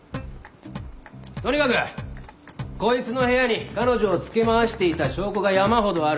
とにかくこいつの部屋に彼女を付け回していた証拠が山ほどある。